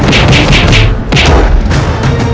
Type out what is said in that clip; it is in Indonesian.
tidak ada kesalahan